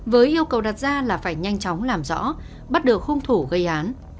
với yêu cầu đặt ra là phải nhanh chóng làm rõ bắt được hung thủ gây án